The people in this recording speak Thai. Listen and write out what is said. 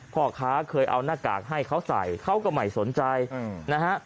พ่อค้าเคยเอาหน้ากากให้เขาใส่เขาก็ไม่สนใจนะฮะ